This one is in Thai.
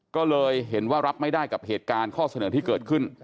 ก็เลยเห็นว่ารับไม่ได้กับเหตุการณ์ข้อเสนอที่เกิดขึ้น